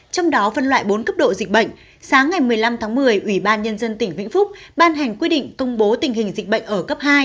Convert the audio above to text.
trong đó phân loại bốn cấp độ dịch bệnh sáng ngày một mươi năm tháng một mươi ủy ban nhân dân tỉnh vĩnh phúc ban hành quy định công bố tình hình dịch bệnh ở cấp hai